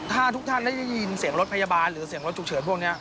ถ้าทุกท่านได้ยินเสียงรถพยาบาลหรือเสียงรถฉุกเฉินพวกนี้